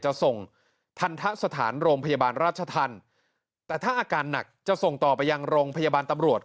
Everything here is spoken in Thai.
จะส่งทันทะสถานโรงพยาบาลราชธรรมแต่ถ้าอาการหนักจะส่งต่อไปยังโรงพยาบาลตำรวจ